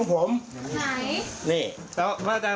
ปวดหัวผม